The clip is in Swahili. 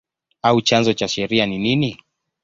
au chanzo cha sheria ni nini?